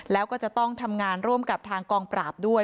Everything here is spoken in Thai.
แล้วก็จะต้องทำงานร่วมกับทางกองปราบด้วย